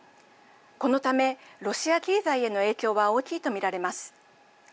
このためロシア経済への影響は大きいと見られます。